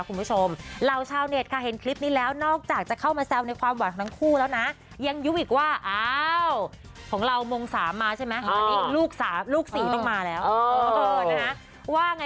คุณผู้ชมเราชาวเน็ตค่ะเห็นคลิปนี้แล้วนอกจากจะเข้ามาแซวในความหวานของทั้งคู่แล้วนะ